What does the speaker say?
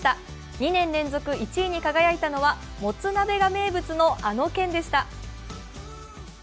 ２年連続１位に輝いたのはもつ鍋が名物の、あの県でした。